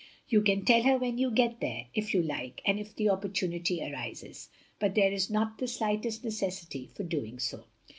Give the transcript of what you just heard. " "You can tell her when you get there, if you like, and if the opportunity arises. But there is not the slightest necessity for doing so.